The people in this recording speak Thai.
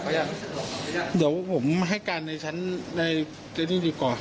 ยังเดี๋ยวผมให้การในชั้นในเจนี่ดีกว่า